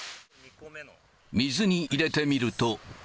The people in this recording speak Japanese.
水に入れてみると。